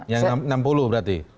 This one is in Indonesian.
yang enam puluh berarti